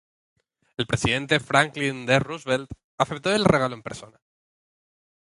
El presidente Franklin D. Roosevelt aceptó el regalo en persona.